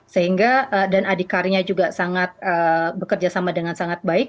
dan adik adikannya juga sangat bekerja sama dengan sangat baik